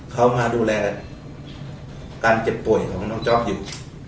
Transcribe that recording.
เขามาดูแลการเจ็บป่วยของน้องจ๊อปอยู่